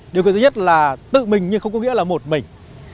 điều kiện thứ nhất là tự mình nhưng không có nghĩa là một mình